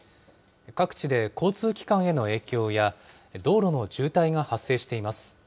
各地で交通機関への影響や、道路の渋滞が発生しています。